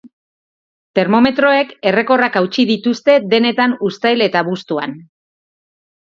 Termometroek errekorrak hautsi dituzte denetan uztail eta abuztuan.